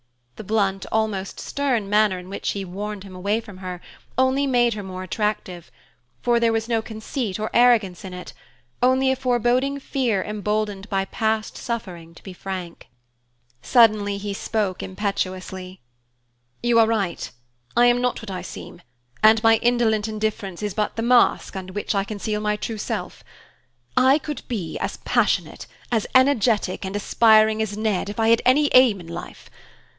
The blunt, almost stern manner in which she warned him away from her only made her more attractive; for there was no conceit or arrogance in it, only a foreboding fear emboldened by past suffering to be frank. Suddenly he spoke impetuously: "You are right! I am not what I seem, and my indolent indifference is but the mask under which I conceal my real self. I could be as passionate, as energetic and aspiring as Ned, if I had any aim in life.